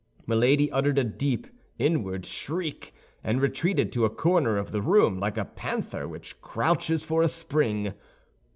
Milady uttered a deep, inward shriek, and retreated to a corner of the room like a panther which crouches for a spring.